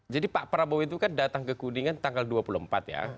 jadi pak prabowo itu kan datang ke kuningan tanggal dua puluh empat ya